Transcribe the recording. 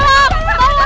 mama lepasin aku